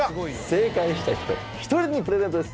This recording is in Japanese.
正解した人１人にプレゼントです。